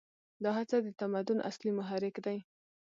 دا هڅه د تمدن اصلي محرک دی.